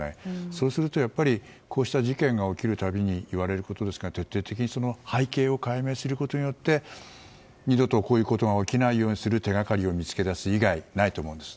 そうするとやっぱりこうした事件が起きる度に言われることですが徹底的にその背景を解明することによって二度とこういうことが起きないようにする手がかりを見つけ出すこと以外ないと思うんです。